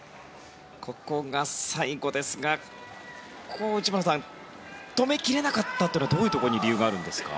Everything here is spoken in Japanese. ここが最後ですがここは内村さん止め切れなかったというのはどういうところに理由があるんですか？